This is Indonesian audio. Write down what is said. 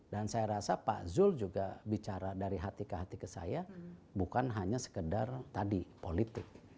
dan saya rasa pak zul juga bicara dari hati ke hati ke saya bukan hanya sekedar tadi politik